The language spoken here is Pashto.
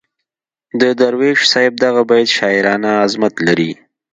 د درویش صاحب دغه بیت شاعرانه عظمت لري.